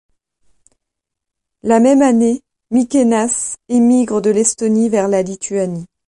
La même année, Mikėnas émigre de l'Estonie vers la Lituanie.